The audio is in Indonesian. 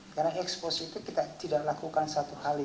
karena expose itu kita tidak lakukan satu kali